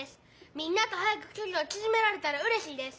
みんなとはやくきょりをちぢめられたらうれしいです。